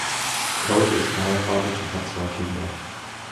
Cole ist verheiratet und hat zwei Kinder.